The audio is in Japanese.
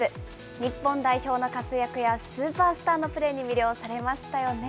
日本代表の活躍やスーパースターのプレーに魅了されましたよね。